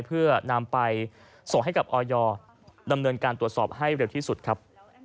เพื่อนำไปส่งให้กับออยดำเนินการตรวจสอบให้เร็วที่สุดครับ